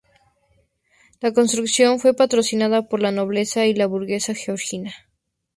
La construcción fue patrocinada por la nobleza y la burguesía georgiana.